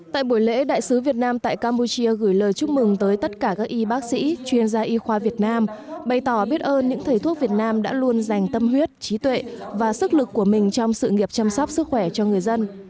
tại buổi lễ đại sứ việt nam tại campuchia gửi lời chúc mừng tới tất cả các y bác sĩ chuyên gia y khoa việt nam bày tỏ biết ơn những thầy thuốc việt nam đã luôn dành tâm huyết trí tuệ và sức lực của mình trong sự nghiệp chăm sóc sức khỏe cho người dân